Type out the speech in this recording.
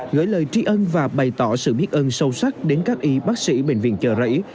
gửi lời tri ân và bày tỏ sự biết ơn sâu sắc đến các y bác sĩ bệnh viện chợ rẫy